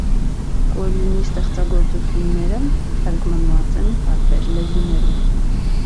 Կորիւնի ստեղծագործութիւնները թարգմանուած են տարբեր լեզուներու։